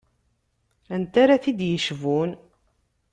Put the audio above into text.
Anta ara t-id-yecbun?